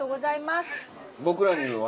僕らには？